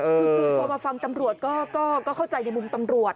คือพอมาฟังตำรวจก็เข้าใจในมุมตำรวจ